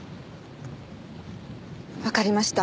わかりました。